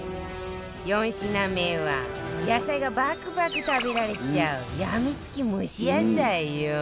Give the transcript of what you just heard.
４品目は野菜がバクバク食べられちゃうやみつき蒸し野菜よ